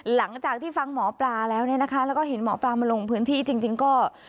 หลังจากที่ฟังหมอปลาแล้วเนี่ยนะคะแล้วก็เห็นหมอปลามาลงพื้นที่จริงก็